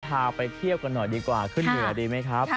พาไปเทียบกันหน่อยดีจริงไหมครับ